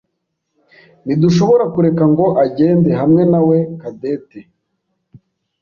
Ntidushobora kureka ngo agende hamwe nawe Cadette.